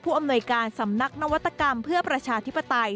อำนวยการสำนักนวัตกรรมเพื่อประชาธิปไตย